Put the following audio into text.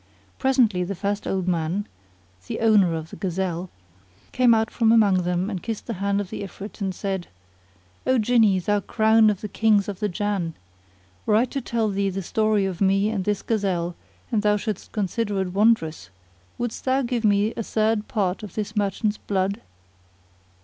Presently the first old man (the owner of the gazelle) came out from among them and kissed the hand of the Ifrit and said, "O Jinni, thou Crown of the Kings of the Jann! were I to tell thee the story of me and this gazelle and thou shouldst consider it wondrous wouldst thou give me a third part of this merchant's blood?"